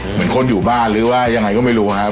เหมือนคนอยู่บ้านหรือว่ายังไงก็ไม่รู้ครับ